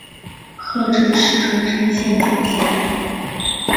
贺州市钟山县简介